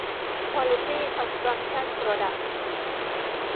ควอลิตี้คอนสตรัคชั่นโปรดัคส์